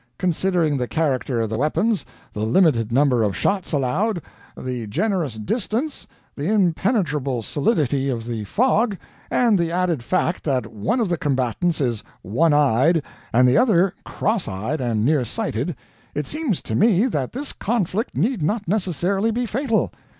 Considering the character of the weapons, the limited number of shots allowed, the generous distance, the impenetrable solidity of the fog, and the added fact that one of the combatants is one eyed and the other cross eyed and near sighted, it seems to me that this conflict need not necessarily be fatal.